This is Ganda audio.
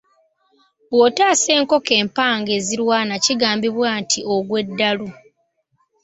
Bw’otaasa enkoko empanga ezirwana kigambibwa nti ogwa eddalu.